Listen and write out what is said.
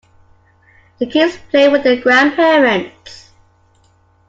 The kids played with their grandparents.